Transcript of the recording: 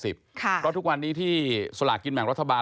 เพราะทุกวันนี้ที่สลากกินแบ่งรัฐบาล